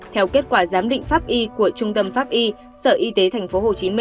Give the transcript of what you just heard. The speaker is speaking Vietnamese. theo kết quả giám định pháp y của trung tâm pháp y sở y tế tp hcm